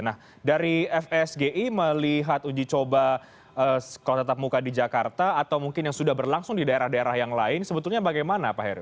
nah dari fsgi melihat uji coba sekolah tetap muka di jakarta atau mungkin yang sudah berlangsung di daerah daerah yang lain sebetulnya bagaimana pak heru